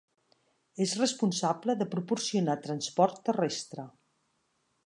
És responsable de proporcionar transport terrestre.